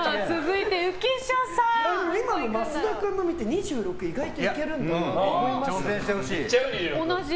今の増田君の見て２６、意外といけるんだなと思いました。